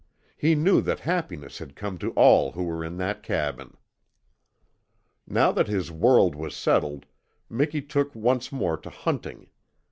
He knew that happiness had come to all who were in that cabin. Now that his world was settled, Miki took once more to hunting.